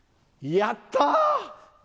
やったー！